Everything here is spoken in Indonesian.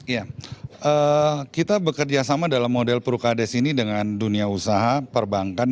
ya kita bekerjasama dalam model prukades ini dengan dunia usaha perbankan